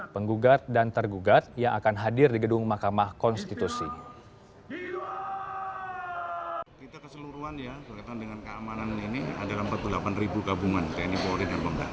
penggugat dan tergugat yang akan hadir di gedung mahkamah konstitusi